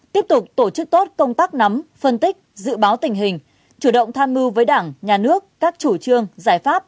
tiếp tục tổ chức tốt công tác nắm phân tích dự báo tình hình chủ động tham mưu với đảng nhà nước các chủ trương giải pháp